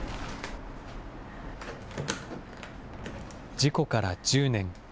事故から１０年。